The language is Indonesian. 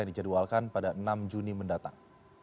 yang dijadwalkan pada enam juni mendatang